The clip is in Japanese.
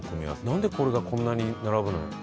なんでこれがこんなに並ぶの？